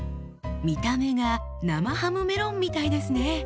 見た目が生ハムメロンみたいですね。